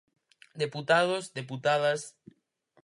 Deputados, deputadas.